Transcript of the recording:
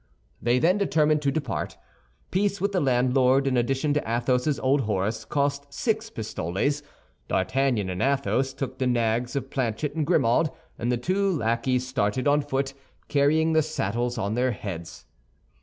They then determined to depart. Peace with the landlord, in addition to Athos's old horse, cost six pistoles. D'Artagnan and Athos took the nags of Planchet and Grimaud, and the two lackeys started on foot, carrying the saddles on their heads.